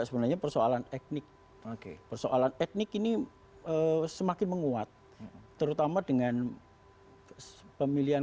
sebenarnya persoalan etnik persoalan etnik ini semakin menguat terutama dengan pemilihan